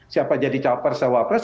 siapa jadi caper saya wafres